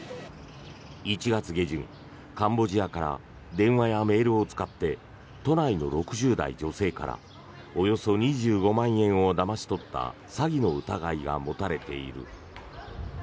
１月下旬、カンボジアから電話やメールを使って都内の６０代女性からおよそ２５万円をだまし取った詐欺の疑いが持たれている。